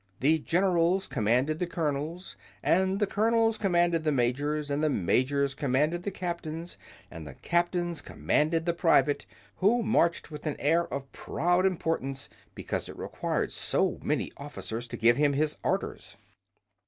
The generals commanded the colonels and the colonels commanded the majors and the majors commanded the captains and the captains commanded the private, who marched with an air of proud importance because it required so many officers to give him his orders.